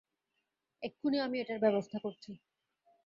এক্ষুনি আমি এটার ব্যবস্থা করছি।